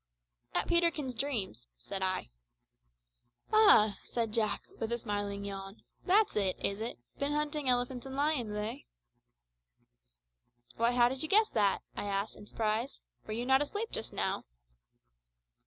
"At Peterkin's dreams," said I. "Ah!" said Jack, with a smiling yawn, "that's it, is it? Been hunting elephants and lions, eh?" "Why, how did you guess that?" I asked, in surprise; "were you not asleep just now?"